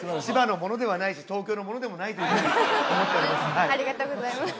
千葉のものではないし東京のものでもないというふうに思っております